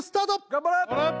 ・頑張れ！